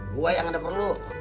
gue yang ada perlu